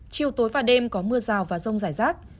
chiều tối và đêm có mưa rào và rông rải rác